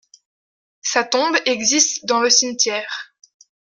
Sa tombe existe dans le cimetière.